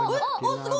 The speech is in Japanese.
すごい！